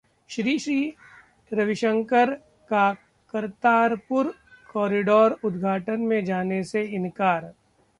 श्रीश्री रविशंकर का करतारपुर कॉरिडोर उद्घाटन में जाने से इनकार